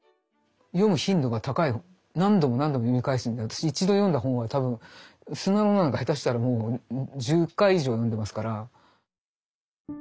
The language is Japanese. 何度も何度も読み返すんで私一度読んだ本は多分「砂の女」なんか下手したらもう１０回以上読んでますから。